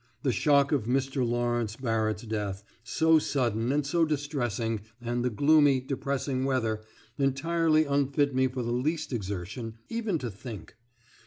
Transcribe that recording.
The shock (of Mr. Lawrence Barrett's death) so sudden and so distressing, and the gloomy, depressing weather, entirely unfit me for the least exertion even to think.